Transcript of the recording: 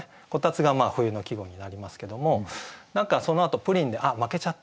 「炬燵」が冬の季語になりますけども何かそのあと「プリン」で「あっ負けちゃった」。